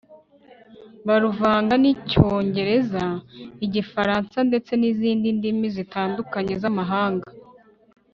baruvanga n'icyongereza, igifaransa ndetse n'izindi ndimi zitandukanye z'amahanga